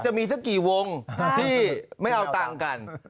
จะมีสักกี่วงที่ไม่เอาตังค์กัน